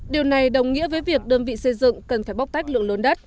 điều này đồng nghĩa với việc đơn vị xây dựng cần phải bóc tách lượng lớn đất